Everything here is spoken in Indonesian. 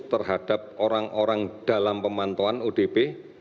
terhadap orang orang dalam pemantauan odp